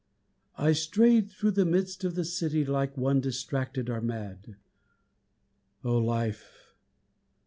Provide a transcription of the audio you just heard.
I strayed through the midst of the city Like one distracted or mad. "Oh, Life!